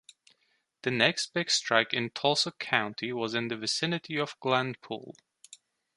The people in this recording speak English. The next big strike in Tulsa County was in the vicinity of Glenn Pool.